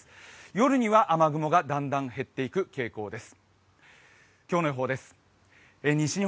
夜には雨雲がだんだん減っていく傾向です。